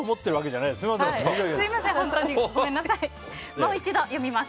もう一度読みます。